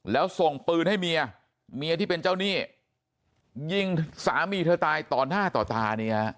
แล้วส่งปืนให้เมียเมียที่เป็นเจ้าหนี้ยิงสามีเธอตายต่อหน้าต่อตาเนี่ย